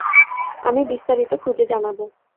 আমি বিস্তারিত খুঁজে জানাব।